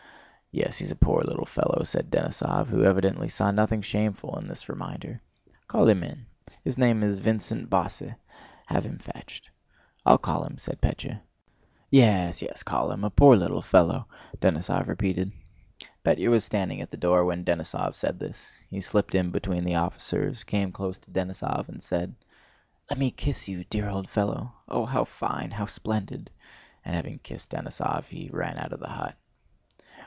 "Yes, he's a poor little fellow," said Denísov, who evidently saw nothing shameful in this reminder. "Call him in. His name is Vincent Bosse. Have him fetched." "I'll call him," said Pétya. "Yes, yes, call him. A poor little fellow," Denísov repeated. Pétya was standing at the door when Denísov said this. He slipped in between the officers, came close to Denísov, and said: "Let me kiss you, dear old fellow! Oh, how fine, how splendid!" And having kissed Denísov he ran out of the hut.